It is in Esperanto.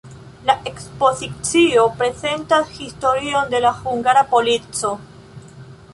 La ekspozicio prezentas historion de la hungara polico.